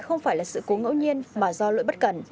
không phải là sự cố ngẫu nhiên mà do lỗi bất cần